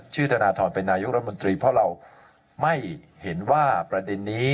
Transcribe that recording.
ธนทรเป็นนายกรัฐมนตรีเพราะเราไม่เห็นว่าประเด็นนี้